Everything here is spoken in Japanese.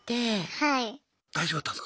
はい。